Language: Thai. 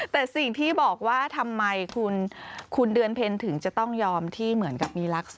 แต่สิ่งที่บอกว่าทำไมคุณเดือนเพ็ญถึงจะต้องยอมที่เหมือนกับมีรักษร